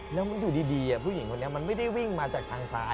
แล้วมันอยู่ดีผู้หญิงคนนี้มันไม่ได้วิ่งมาจากทางซ้าย